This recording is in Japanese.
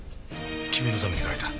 君のために書いた。